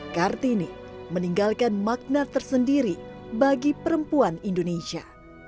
kartini meninggalkan makna tersendiri bagi perempuan indonesia